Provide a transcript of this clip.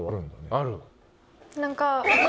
ある。